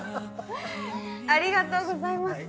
ありがとうございます。